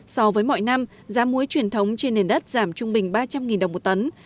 so với mọi năm giá muối truyền thống trên nền đất giảm trung bình ba trăm linh đồng một tấn